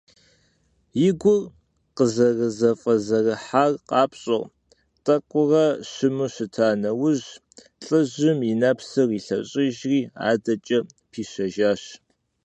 И гур къызэрызэфӀэзэрыхьар къапщӀэу, тӀэкӀурэ щыму щыта нэужь, лӀыжьым и нэпсыр илъэщӀыжри, адэкӀэ пищэжащ.